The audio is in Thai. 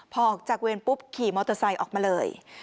พอออกจากเวรปุ๊บขี่มอเตอร์ไซค์ออกมาเลย